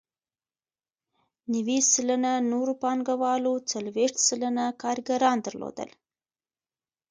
نوي سلنه نورو پانګوالو څلوېښت سلنه کارګران درلودل